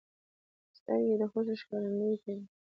سترګې د خوښۍ ښکارندویي کوي